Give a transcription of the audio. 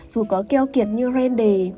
dù có kêu kiệt như randy